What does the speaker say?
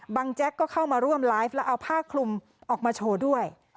แจ๊กก็เข้ามาร่วมไลฟ์แล้วเอาผ้าคลุมออกมาโชว์ด้วย